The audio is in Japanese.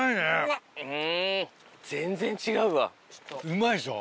うまいでしょ。